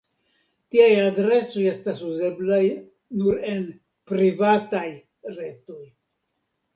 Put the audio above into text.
Tiaj adresoj estas uzeblaj nur en "privataj" retoj.